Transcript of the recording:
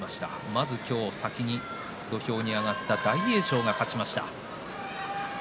まず今日は先に土俵に上がった大栄翔が勝ちました。